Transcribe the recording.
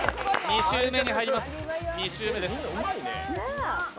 ２周目に入ります。